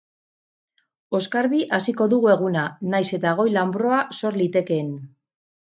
Oskarbi hasiko dugu eguna, nahiz eta goi-lanbroa sor litekeen.